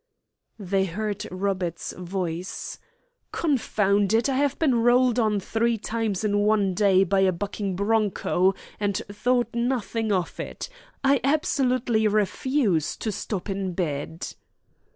They heard Robert's voice: "Confound it, I have been rolled on three times in one day by a bucking broncho, and thought nothing of it. I absolutely refuse to stop in bed!"